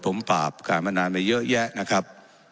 ผมปราบการมานานไปเยอะแยะนะครับ